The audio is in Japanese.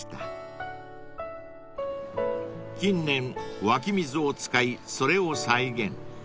［近年湧き水を使いそれを再現］